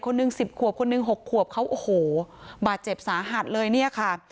หนึ่งสิบขวบคนหนึ่ง๖ขวบเขาโอ้โหบาดเจ็บสาหัสเลยเนี่ยค่ะ